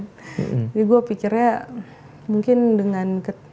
jadi gue pikirnya mungkin dengan